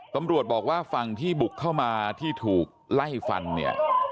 ตำรวจบอกว่าฝั่งที่บุกเข้ามาที่ถูกไล่ฟันเนี่ย